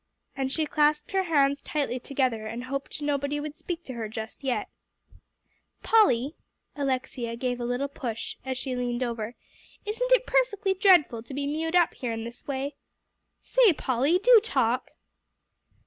And she clasped her hands tightly together and hoped nobody would speak to her just yet. "Polly," Alexia gave a little push, as she leaned over, "isn't it perfectly dreadful to be mewed up here in this way? Say, Polly, do talk."